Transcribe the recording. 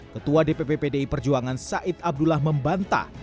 ketua dpp pdi perjuangan said abdullah membantah